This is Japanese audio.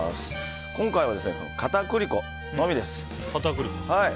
今回は片栗粉のみです。